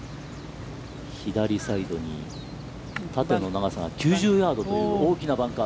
左サイドに縦の長さが９０ヤードという大きなバンカー。